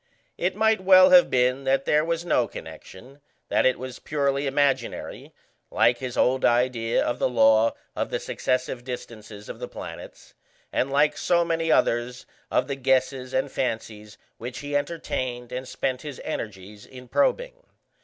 It might well have been that there was no connection, that it was purely imaginary, like his old idea of the law of the successive distances of the planets, and like so many others of the guesses and fancies which he entertained and spent his energies in probing.